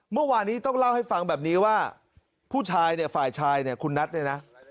เมื่อวานนี้ต้องเล่าให้ฟังแบบนี้ว่าผู้ชายเนี่ยฝ่ายชายเนี่ยคุณนัทเนี่ยนะ